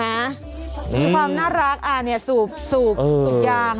ความน่ารักอ่ะเนี่ยสูบสูบสูบยาง